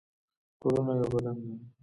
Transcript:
ټولنه یو بدن دی